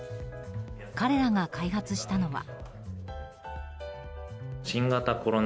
彼らが開発したのは。